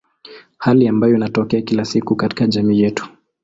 Hali ambayo inatokea kila siku katika jamii yetu.